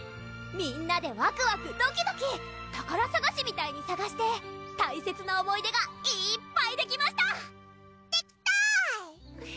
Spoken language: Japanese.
みんなでワクワクドキドキ宝さがしみたいにさがして大切な思い出がいっぱいできましたできた！